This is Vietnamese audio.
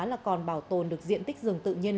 là còn bảo tồn được diện tích rừng tự nhiên